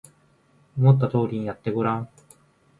思った通りにやってごらん